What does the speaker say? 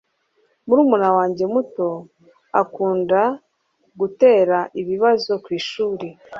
Murumuna wanjye muto akunda gutera ibibazo kwishuri.